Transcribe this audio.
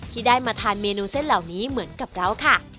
ที่ได้มาทานเมนูเส้นเหล่านี้เหมือนกับเราค่ะ